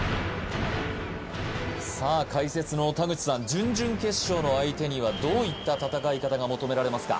さあ解説の田口さん準々決勝の相手にはどういった戦い方が求められますか？